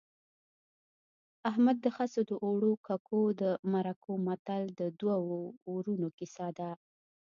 احمد د خسو د اوړو ککو د مرکو متل د دوو ورونو کیسه ده